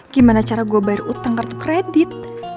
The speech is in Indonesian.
gimana cara gue bayar utang kartu kredit